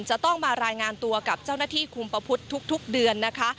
จะต้องมารายงานตัวกับเจ้าหน้าที่คุมประพฤติทุกเดือนนะคะ